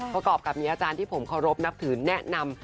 ประกอบกับมีอาจารย์ที่ผมเคารพนับถือแนะนำ